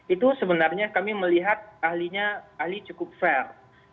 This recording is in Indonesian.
itu sebenarnya kami melihat ahlinya ahli cukup fair